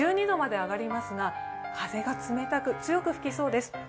１２度まで上がりますが風が冷たく、強く吹きそうです。